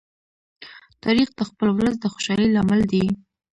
تاریخ د خپل ولس د خوشالۍ لامل دی.